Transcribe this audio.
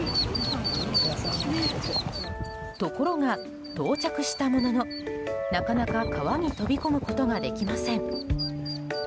ところが、到着したもののなかなか川に飛び込むことができません。